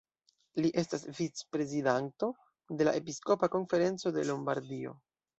Li estas vic-prezidanto de la Episkopa konferenco de Lombardio.